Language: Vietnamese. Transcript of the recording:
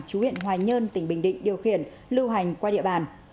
chú huyện hoài nhơn tỉnh bình định điều khiển lưu hành qua địa bàn